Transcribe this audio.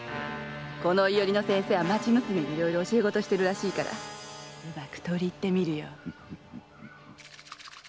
この庵の先生は町娘に教え事をしてるらしいからうまく取り入ってみるよ。